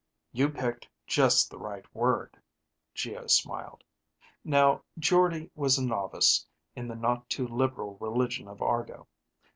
"You picked just the right word," Geo smiled. "Now, Jordde was a novice in the not too liberal religion of Argo.